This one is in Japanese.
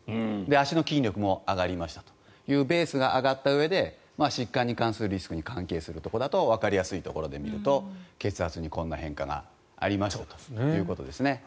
足の筋力も上がりましたというベースが上がったうえで疾患に関するリスクに関係するところでわかりやすいところで見ると血圧にこんな変化がありますということですね。